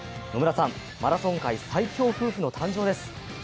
野村さん、マラソン界最強夫婦の誕生です。